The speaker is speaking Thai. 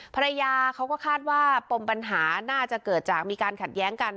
ภรรยาเขาก็คาดว่าปมปัญหาน่าจะเกิดจากมีการขัดแย้งกัน